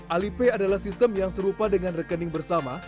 alipay adalah sistem yang serupa dengan rekening bersama